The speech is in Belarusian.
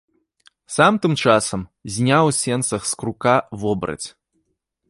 Сам тым часам зняў у сенцах з крука вобраць.